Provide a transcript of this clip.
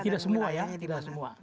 tidak semua ya tidak semua